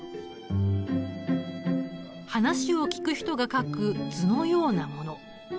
話を聞く人が書く図のようなもの。